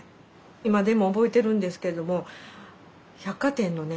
今でも覚えてるんですけども百貨店のね